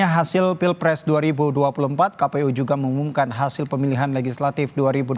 hasil pilpres dua ribu dua puluh empat kpu juga mengumumkan hasil pemilihan legislatif dua ribu dua puluh